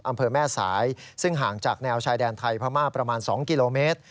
อำเภอแม่สายซึ่งห่างจากแนวชายแดนไทยพม่าประมาณ๒กิโลเมตร